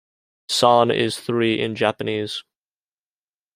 "San" is "three" in Japanese.